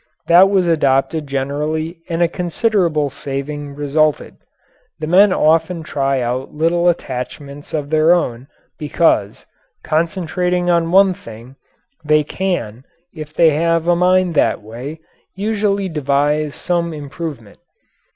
That was adopted generally and a considerable saving resulted. The men often try out little attachments of their own because, concentrating on one thing, they can, if they have a mind that way, usually devise some improvement.